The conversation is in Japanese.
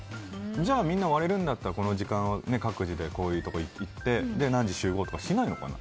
じゃあみんな割れるんだったらこの時間は各自でこういうところに行って何時集合とかしないのかな？